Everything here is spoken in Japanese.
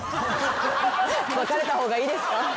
別れた方がいいですか？